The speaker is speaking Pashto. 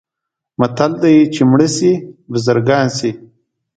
متل دی: چې مړه شي بزرګان شي.